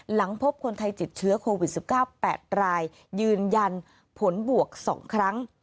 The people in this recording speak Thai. หลังพบคนไทยติดเชื้อโควิด๑๙๘รายยืนยันผลบวก๒ครั้ง